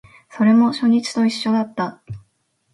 それも初日と一緒だった